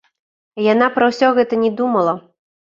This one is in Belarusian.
Яна пра ўсё гэта не думала.